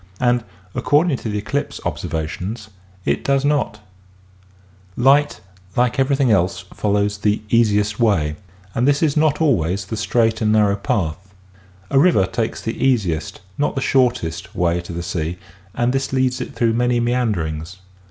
And, according to the eclipse observations, it does not. THE EASIEST WAY IS SHORTEST 39 Light like everything else follows " the easiest way " and this is not always the straight and narrow path. A river takes the easiest, not the shortest, way to the sea and this leads it through many meanderings.